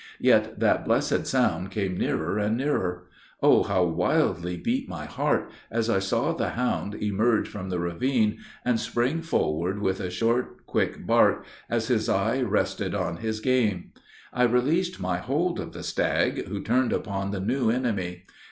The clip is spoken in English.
Yet that blessed sound came nearer and nearer! Oh how wildly beat my heart, as I saw the hound emerge from the ravine, and spring forward with a short, quick bark, as his eye rested on his game. I released my hold of the stag, who turned upon the new enemy.